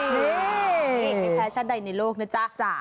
เน่แพชชั่นใดในโลกนะจ๊ะ